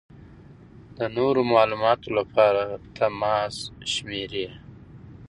د نورو معلومات لپاره د تماس شمېرې: